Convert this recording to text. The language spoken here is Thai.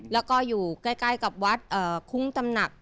แล้วก็อยู่ใกล้กับวัดคุ้งตำหนัก